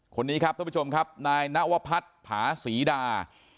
คนนี้ครับท่านผู้ชมครับนายนวพัฒน์ผาศรีดา